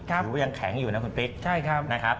ก็ถือว่ายังแข็งอยู่นะคุณปิ๊กใช่ครับ